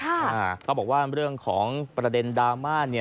เขาบอกว่าเรื่องของประเด็นดราม่าเนี่ย